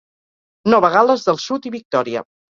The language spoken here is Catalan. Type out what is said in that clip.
Nova Gal·les del Sud i Victòria.